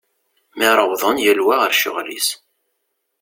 Mi ara wwḍen yal wa ɣer ccɣel-is.